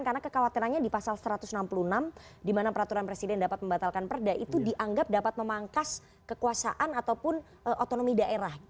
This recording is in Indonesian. karena kekhawatirannya di pasal satu ratus enam puluh enam di mana peraturan presiden dapat membatalkan perda itu dianggap dapat memangkas kekuasaan ataupun otonomi daerah